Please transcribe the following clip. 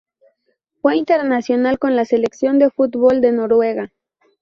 Fue internacional con la selección de fútbol de Noruega.